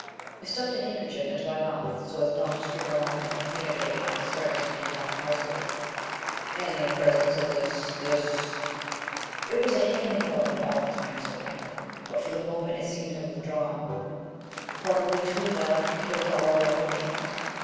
I stuffed a handkerchief into my mouth so as not to scream aloud and communicate my hysterics to the entire household." "And the presence of this this ?" "It was hanging about me all the time," said Pender, "but for the moment it seemed to have withdrawn. Probably, too, my laughter killed all other emotions."